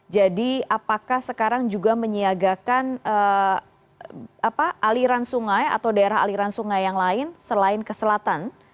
jadi apakah sekarang juga menyiagakan aliran sungai atau daerah aliran sungai yang lain selain ke selatan